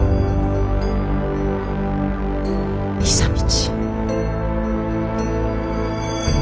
久通。